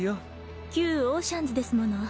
旧オーシャンズですもの。